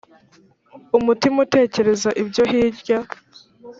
umutima utekereza ibyo hilya